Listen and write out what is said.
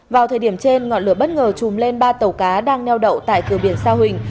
vào thời điểm trên ngọn lửa bất ngờ chùm lên ba tàu cá đang neo đậu tại cửa biển sa huỳnh